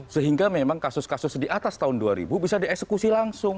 sehingga memang kasus kasus di atas tahun dua ribu bisa dieksekusi langsung